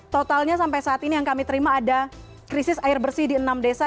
totalnya sampai saat ini yang kami terima ada krisis air bersih di enam desa